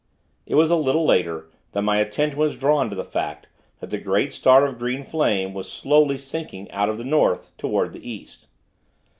It was a little later, that my attention was drawn to the fact, that the great star of green flame, was slowly sinking out of the North, toward the East.